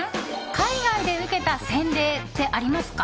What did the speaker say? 海外で受けた洗礼ってありますか？